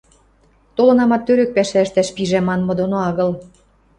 — Толынамат, тӧрӧк пӓшӓ ӹштӓш пижӓм манмы доно агыл.